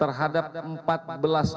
terhadap empat belas penindakan